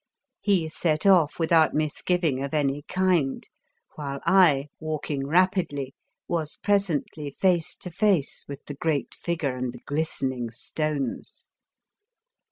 He set off without misgiving of any kind, while I, walking rapidly, was presently face to face with the great figure and the glistening stones.